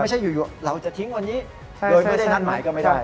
ไม่ใช่อยู่เราจะทิ้งวันนี้โดยไม่ได้นัดหมายก็ไม่ได้